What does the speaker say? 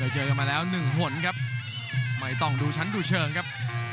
เจอกันมาแล้วหนึ่งหนครับไม่ต้องดูชั้นดูเชิงครับ